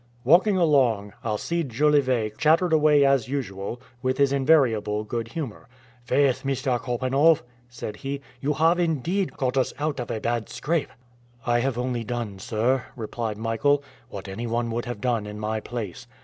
Walking along, Alcide Jolivet chattered away as usual, with his invariable good humor. "Faith, Mr. Korpanoff," said he, "you have indeed got us out of a bad scrape." "I have only done, sir," replied Michael, "what anyone would have done in my place."